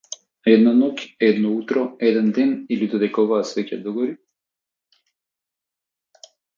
Една ноќ, едно утро, еден ден или додека оваа свеќа догори?